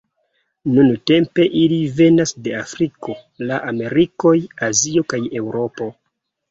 Nuntempe ili venas de Afriko, la Amerikoj, Azio kaj Eŭropo.